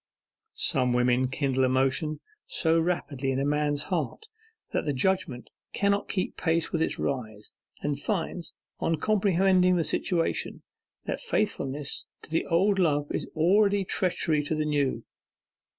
Some women kindle emotion so rapidly in a man's heart that the judgment cannot keep pace with its rise, and finds, on comprehending the situation, that faithfulness to the old love is already treachery to the new.